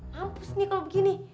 mampus nih kalo begini